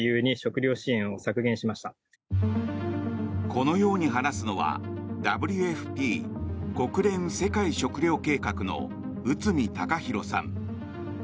このように話すのはＷＦＰ・国連世界食糧計画の内海貴啓さん。